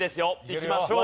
いきましょう。